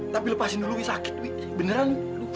tapi lepasin dulu wi sakit wik beneran